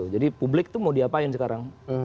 jadi publik tuh mau diapain sekarang